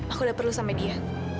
aku udah perlu sama dia